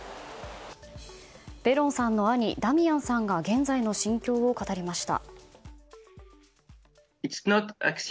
ベロンさんの兄ダミアンさんが現在の心境を語りました。